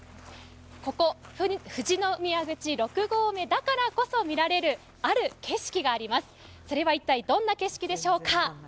ここ、富士宮口六合目だからこそ見られるある景色があります、それは一体、どんな景色でしょうか？